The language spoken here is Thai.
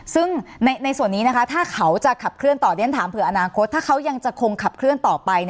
ซึ่งในส่วนนี้ถ้าเขาจะขับเคลื่อนต่อถ้าเขายังจะคงขับเคลื่อนต่อไป